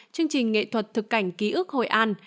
chương trình nghệ thuật thực cảnh ký ức hội an